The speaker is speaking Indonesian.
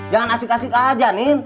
jangan asik asik aja nih